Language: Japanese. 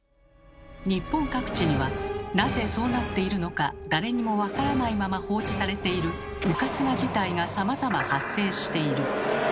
日本各地にはなぜそうなっているのか誰にもわからないまま放置されているうかつな事態がさまざま発生している。